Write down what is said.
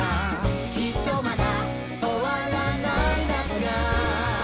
「きっとまだ終わらない夏が」